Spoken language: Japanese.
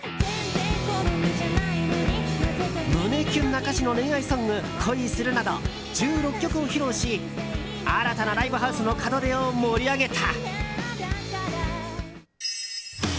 胸キュンな歌詞の恋愛ソング「恋する」など１６曲を披露し新たなライブハウスの門出を盛り上げた。